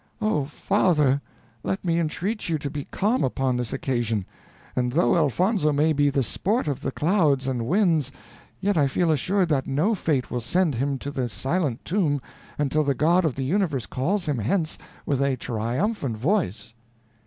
"Oh, father! let me entreat you to be calm upon this occasion, and though Elfonzo may be the sport of the clouds and winds, yet I feel assured that no fate will send him to the silent tomb until the God of the Universe calls him hence with a triumphant voice."